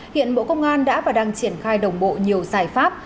hiện bộ công an đã và đang triển khai đồng bộ nhiều giải pháp